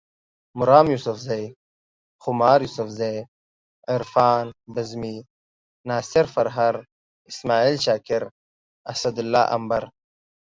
مرام یوسفزے، خمار یوسفزے، عرفان بزمي، ناصر پرهر، اسماعیل شاکر، اسدالله امبر